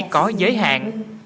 có giới hạn